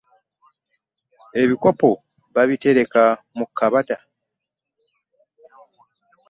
Ebikopo babitereka mu kabada.